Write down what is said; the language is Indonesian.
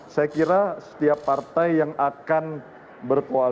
saya kira setiap partai yang akan berkoalisi